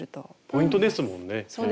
ポイントですもんね。